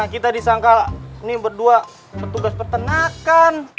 kita disangka ini berdua petugas peternakan